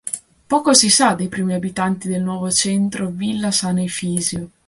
Poco si sa dei primi abitanti del nuovo centro "Villa S. Efisio".